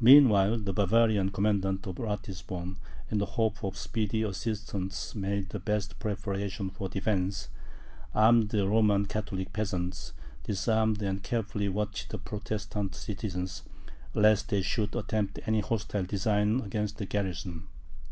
Meanwhile the Bavarian commandant of Ratisbon, in the hope of speedy assistance, made the best preparations for defence, armed the Roman Catholic peasants, disarmed and carefully watched the Protestant citizens, lest they should attempt any hostile design against the garrison.